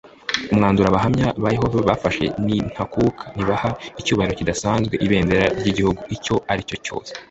umwanzuro abahamya ba yehova bafashe ni ntakuka ntibaha icyubahiro kidasanzwe ibendera ry igihugu icyo aricyo cyose